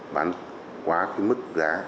bán quá mức giá